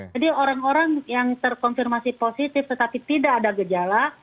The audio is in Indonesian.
jadi orang orang yang terkonfirmasi positif tetapi tidak ada gejala